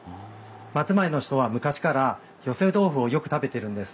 松前の人は昔から寄せ豆腐をよく食べてるんです。